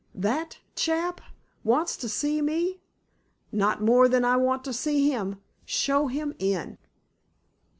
That chap? Wants to see me? Not more than I want to see him. Show him in."